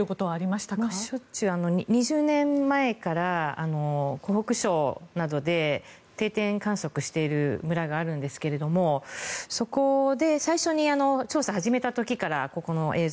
しょっちゅう２０年前から湖北省などで定点観測している村があるんですがそこで最初に調査を始めた時からここの映像